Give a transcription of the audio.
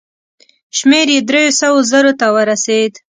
شمېر یې دریو سوو زرو ته ورسېد.